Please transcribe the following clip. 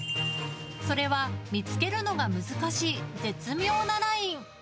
それは見つけるのが難しい絶妙なライン。